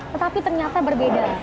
tetapi ternyata berbeda